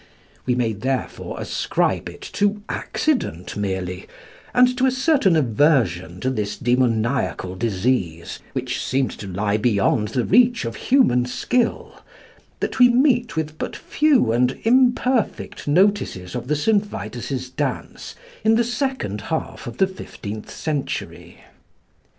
We may therefore ascribe it to accident merely, and to a certain aversion to this demoniacal disease, which seemed to lie beyond the reach of human skill, that we meet with but few and imperfect notices of the St. Vitus's dance in the second half of the fifteenth century.